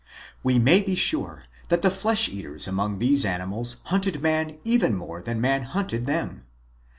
We may be sure that the flesh eaters among these animals hunted man even more than man hunted them.